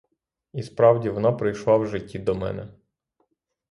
І справді, вона прийшла в житті до мене.